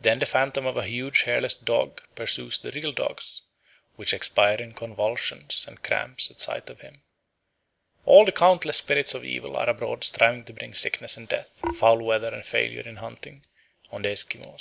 Then the phantom of a huge hairless dog pursues the real dogs, which expire in convulsions and cramps at sight of him. All the countless spirits of evil are abroad striving to bring sickness and death, foul weather and failure in hunting on the Esquimaux.